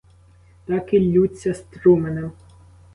Так і ллються струменем.